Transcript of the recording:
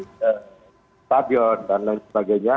stadion dan lain sebagainya